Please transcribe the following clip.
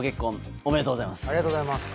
ありがとうございます。